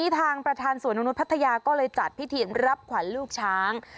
ทางประธานสวนนกนุษยพัทยาก็เลยจัดพิธีรับขวัญลูกช้าง